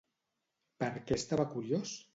Per què estava curiós?